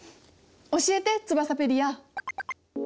教えてツバサペディア！